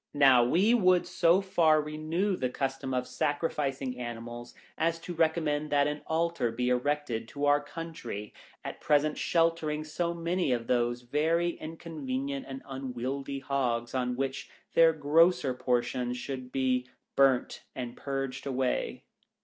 Now, we would so far renew the custom of sacrificing animals, as to recommend that an altar be erected to Our Country, at present sheltering so many of these very inconvenient and unwieldy Hogs, on which their grosser portions should be " burnt and purged away."